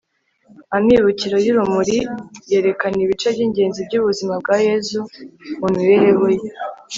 amibukiro y'urumuri yerekana ibice by'ingenzi by'ubuzima bwa yezu mu mibereho ye